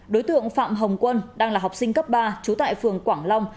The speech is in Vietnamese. đối tượng phạm hồng quân đang là học sinh cấp ba trú tại phường quảng long